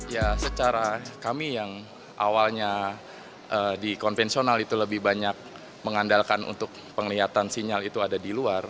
ya secara kami yang awalnya di konvensional itu lebih banyak mengandalkan untuk penglihatan sinyal itu ada di luar